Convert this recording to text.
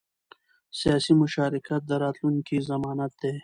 سیاسي مشارکت د راتلونکي ضمانت دی